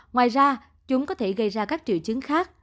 ngoài ra chúng có thể gây ra các triệu chứng khác